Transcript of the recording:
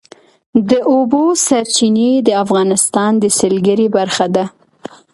د اوبو سرچینې د افغانستان د سیلګرۍ برخه ده.